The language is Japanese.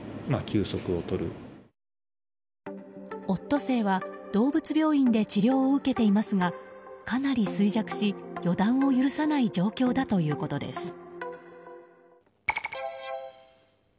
オットセイは動物病院で治療を受けていますがかなり衰弱し、予断を許さない状況だということです。